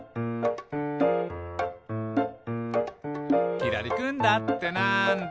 「きらりくんだってなんだ？」